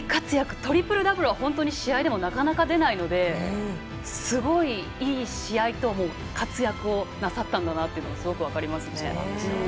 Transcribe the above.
トリプルダブルは本当に試合でもなかなか出ないのですごいいい試合と活躍をなさったんだなというのがすごく分かりますね。